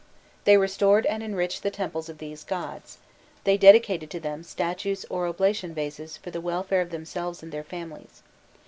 They restored and enriched the temples of these gods: they dedicated to them statues or oblation vases for the welfare of themselves and their families.